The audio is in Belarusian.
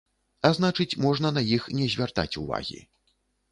А значыць, можна на іх не звяртаць увагі.